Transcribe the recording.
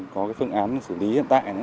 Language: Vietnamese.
có phương án xử lý hiện tại